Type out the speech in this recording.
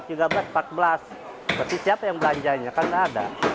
tapi siapa yang belanjanya kan ada